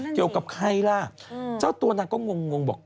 เกี่ยวกับใครล่ะเจ้าตัวนางก็งงบอก